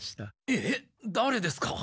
えっだれですか？